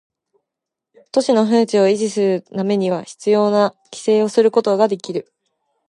都市の風致を維持するため必要な規制をすることができる